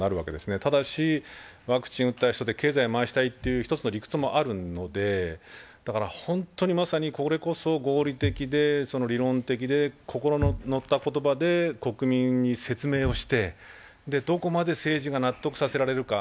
ただし、ワクチンを打った人で経済を回したいという一つの理屈もあるので、本当にまさにこれこそ合理的で理論的で心の乗った言葉で国民に説明をしてどこまで政治が納得させられるか。